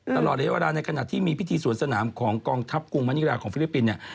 ตลอดเดี๋ยวอ่าดาในขณะมีพิธีสวนสนามของกองทับกรุงมนิราชย์ของฟิลิปปินส์